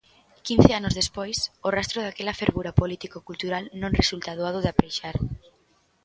Quince anos despois, o rastro daquela fervura político cultural non resulta doado de apreixar.